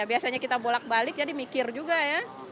biasanya kita bolak balik jadi mikir juga ya